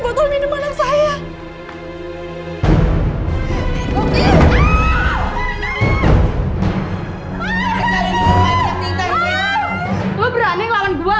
oh lo bener bener cari gara gara ya sama gue